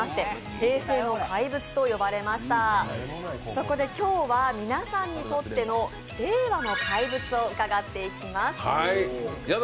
そこで今日は皆さんにとっての令和の怪物を伺っていきます。